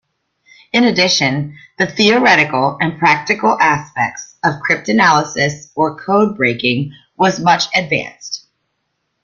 In addition, the theoretical and practical aspects of "cryptanalysis", or "codebreaking", was much advanced.